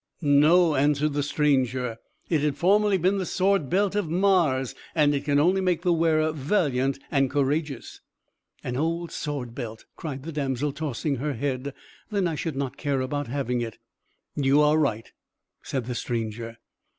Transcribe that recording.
"No," answered the stranger. "It had formerly been the sword belt of Mars; and it can only make the wearer valiant and courageous." "An old sword belt!" cried the damsel, tossing her head. "Then I should not care about having it!" "You are right," said the stranger.